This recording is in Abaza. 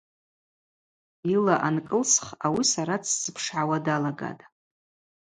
Йыла анкӏылсх ауи сара дсзыпшгӏауа далагатӏ.